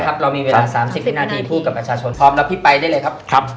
พร้อมแล้วพี่ไปได้เลยครับ